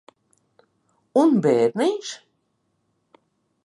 Un bērniņš?